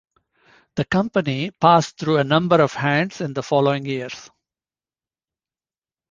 The company passed through a number of hands in the following years.